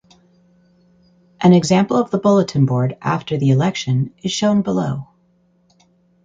An example of the bulletin board after the election is shown below.